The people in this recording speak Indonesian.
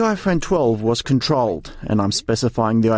yang sedikit lebih tinggi dari limitnya